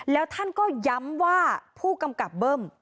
แล้วท่านก็ย้ำว่าผู้กำกับเบิ้ม